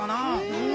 うん！